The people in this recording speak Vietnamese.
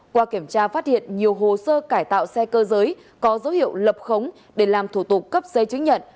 qua kiểm tra phát hiện nhiều hồ sơ cải tạo xe cơ giới có dấu hiệu lập khống để làm thủ tục cấp giấy chứng nhận